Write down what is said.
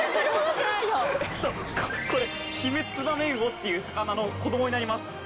これヒメツバメウオっていう魚の子供になります。